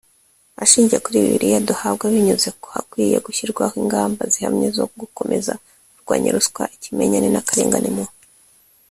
Ashingiye kuri bibiliya duhabwa binyuze ku hakwiye gushyirwaho ingamba zihamye zo gukomeza kurwanya ruswa ikimenyane n akarengane mu